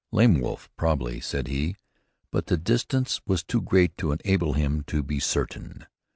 "Lame Wolf, probably," said he, but the distance was too great to enable him to be certain.